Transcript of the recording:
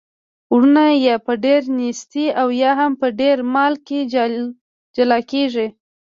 وروڼه یا په ډیره نیستۍ او یا هم په ډیر مال کي جلا کیږي.